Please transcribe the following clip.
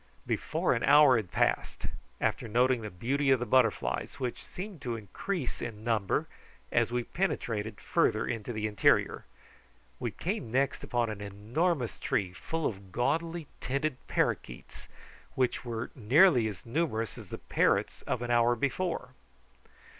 Before another hour had passed, after noting the beauty of the butterflies, which seemed to increase in number as we penetrated farther into the interior, we came next upon an enormous tree full of gaudily tinted parroquets, which were nearly as numerous as the parrots of an hour before.